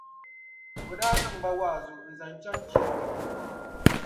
O daa niŋ ba wa’azu n-zaŋ chaŋ chiyaama polo.